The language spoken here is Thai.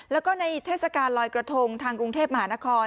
แล้วก็ในเทศกาลลอยกระทงทางกรุงเทพมหานคร